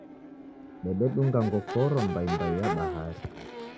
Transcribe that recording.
Dededunga ngokoro mbai mbai ya bahari